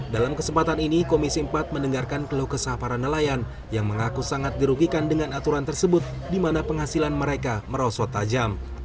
dalam kesempatan ini komisi empat mendengarkan keluh kesah para nelayan yang mengaku sangat dirugikan dengan aturan tersebut di mana penghasilan mereka merosot tajam